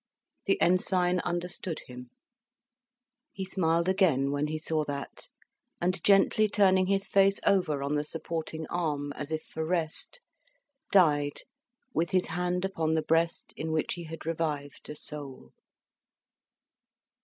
The Ensign understood him. He smiled again when he saw that, and, gently turning his face over on the supporting arm as if for rest, died, with his hand upon the breast in which he had revived a soul.